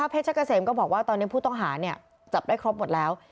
เพชรเกษมก็บอกว่าตอนนี้ผู้ต้องหาจับได้ครบหมดแล้ว